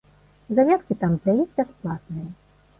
Заняткі там для іх бясплатныя.